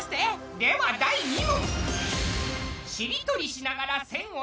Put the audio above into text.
では第２問！